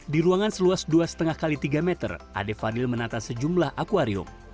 di ruangan seluas dua lima x tiga meter ade fadil menata sejumlah akuarium